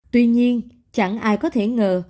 tuy nhiên chẳng ai có thể ngờ